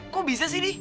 kok bisa sih di